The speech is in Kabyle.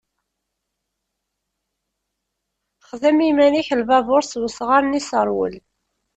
Xdem i yiman-ik lbabuṛ s wesɣar n iseṛwel.